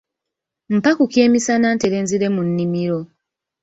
Mpa ku kyemisana ntere nzire mu nnimiro.